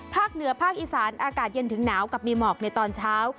เหนือภาคอีสานอากาศเย็นถึงหนาวกับมีหมอกในตอนเช้า